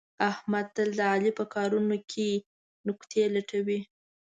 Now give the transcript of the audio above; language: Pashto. احمد تل د علي په کارونو کې نکتې لټوي.